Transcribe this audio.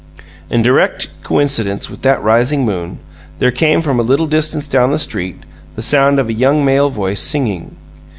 In direct coincidence with that rising moon, there came from a little distance down the street the sound of a young male voice, singing.